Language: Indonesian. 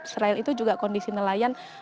selain itu juga kondisi nelayan